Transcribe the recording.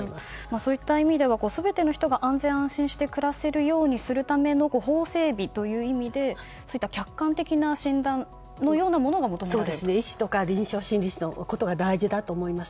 そういった意味では全ての人が安全・安心して暮らせるようにするための法整備という意味でそういった客観的な診断のようなものが医師とか臨床心理士のことが大事だと思います。